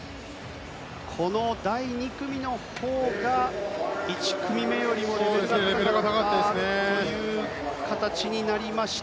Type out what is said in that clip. この第２組のほうが１組目よりもレベルが高かったという形になりました。